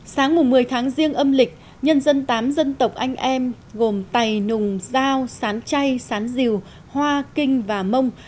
sáng mùa một mươi tháng riêng âm lịch nhân dân tám dân tộc anh em gồm tài nùng giao sán chay sán diều hoa kinh và mông